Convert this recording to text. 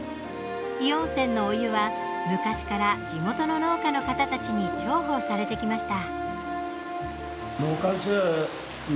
硫黄泉のお湯は昔から地元の農家の方たちに重宝されてきました。